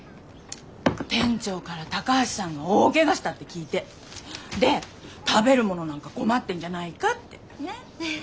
店長から高橋さんが大ケガしたって聞いて！で食べるものなんか困ってんじゃないかってねえ。